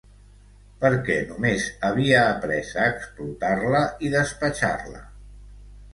Perquè només havia après a explotar-la i despatxar-la